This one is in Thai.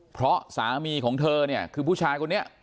เพราะสามีของเธอเนี่ยคือผู้ชายคนนี้